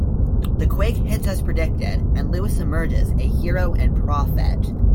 The quake hits as predicted, and Lewis emerges a hero and a prophet.